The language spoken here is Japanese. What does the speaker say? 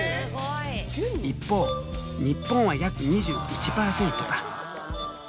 一方日本は約２１％だ。